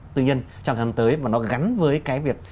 tự nhiên trong tháng tới mà nó gắn với cái việc